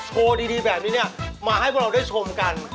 โชว์ดีแบบนี้เนี่ยมาให้พวกเราได้ชมกัน